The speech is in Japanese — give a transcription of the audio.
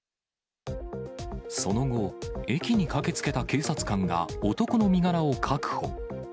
その後、駅に駆けつけた警察官が男の身柄を確保。